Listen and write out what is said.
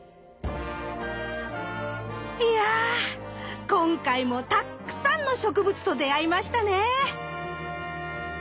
いや今回もたくさんの植物と出会いましたね。